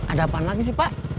ada apaan lagi sih pak